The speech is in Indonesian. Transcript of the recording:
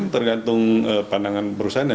tergantung pandangan perusahaan ya